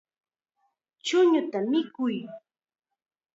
Chuñuta mikuy.